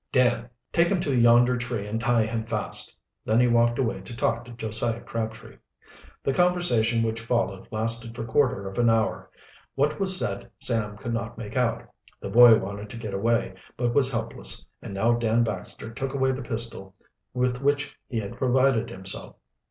"Dan, take him to yonder tree and tie him fast." Then he walked away to talk to Josiah Crabtree. The conversation which followed lasted for quarter of an hour. What was said Sam could not make out. The boy wanted to get away, but was helpless, and now Dan Baxter took away the pistol with which he had provided himself.